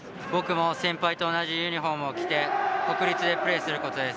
先輩と同じユニホームを着て、国立でプレーすることです。